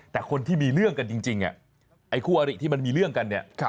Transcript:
แต่คนที่มีเรื่องกันจริงไอ้คู่อริที่มันมีเรื่องกันเนี่ย